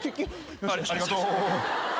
ありがとう。